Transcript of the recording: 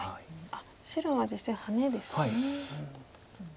白は実戦ハネですね。